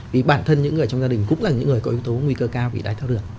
vì bản thân những người trong gia đình cũng là những người có yếu tố nguy cơ cao bị đái tháo đường